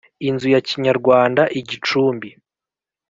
Inzu ya Kinyarwanda igicumbi